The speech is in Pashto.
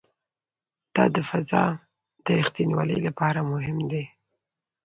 دا د فضا د ریښتینولي لپاره مهم دی.